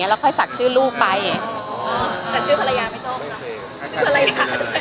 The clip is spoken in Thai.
แต่แค่ไม่ให้ศักดิ์ชื่อเราหรือว่าไม่ให้เพิ่มแล้ว